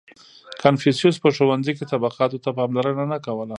• کنفوسیوس په ښوونځي کې طبقاتو ته پاملرنه نه کوله.